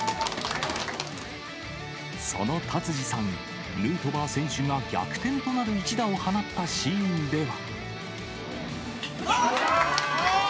その達治さん、ヌートバー選手が逆転となる一打を放ったシーンでは。